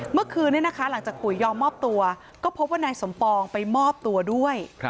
เมื่อคืนนี้นะคะหลังจากปุ๋ยยอมมอบตัวก็พบว่านายสมปองไปมอบตัวด้วย